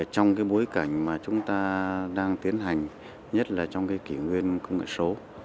trong cái bối cảnh mà chúng ta đang tiến hành nhất là trong cái kỷ nguyên công nghệ số